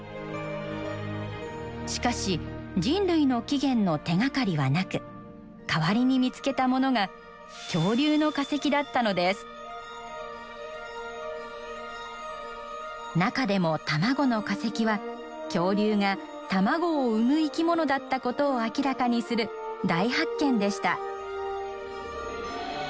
しかし人類の起源の手がかりはなく代わりに見つけたものが中でも卵の化石は恐竜が卵を産む生き物だったことを明らかにする大発見でした。